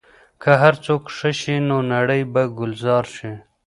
که هر څوک ښه شي، نو نړۍ به ګلزار شي.